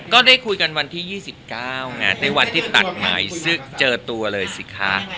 ก็ได้คุยกันวันที่๒๙ไงในวันที่ตัดหมายเจอตัวเลยสิคะ